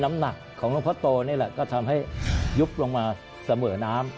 น้ำหนักของหลวงพ่อโตนี่แหละก็ทำให้ยุบลงมาเสมอน้ำ